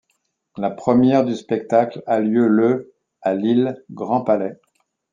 La première du spectacle a lieu le à Lille Grand Palais.